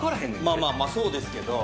まあまあまあ、そうですけど。